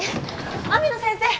雨野先生！